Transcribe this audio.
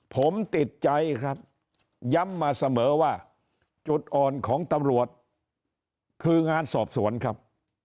ผมติดใจครับย้ำมาเสมอว่าจุดอ่อนของตำรวจคืองานสอบสวนครับ